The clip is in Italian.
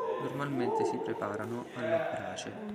Normalmente si preparano alla brace.